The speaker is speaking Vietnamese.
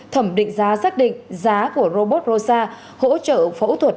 thẩm định giá xác định giá của robot rosa hỗ trợ phẫu thuật